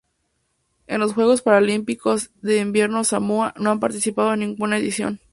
En los Juegos Paralímpicos de Invierno Samoa no ha participado en ninguna edición.